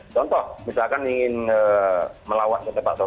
contoh misalkan ingin melawat